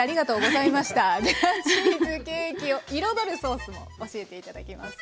ではチーズケーキを彩るソースも教えて頂きます。